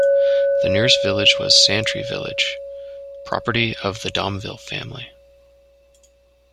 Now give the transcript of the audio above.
The nearest village was Santry Village, property of the Domville family.